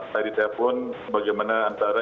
saya ditelepon bagaimana antara